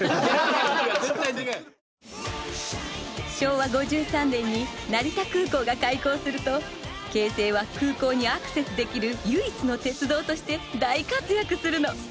昭和５３年に成田空港が開港すると京成は空港にアクセスできる唯一の鉄道として大活躍するの。